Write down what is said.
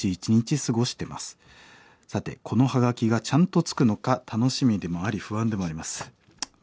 さてこのはがきがちゃんと着くのか楽しみでもあり不安でもあります」。